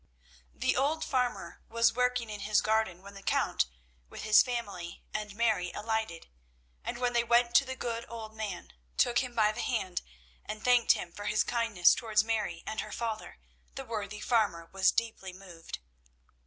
The old farmer was working in his garden when the Count with his family and Mary alighted; and when they went to the good old man, took him by the hand, and thanked him for his kindness towards Mary and her father, the worthy farmer was deeply moved.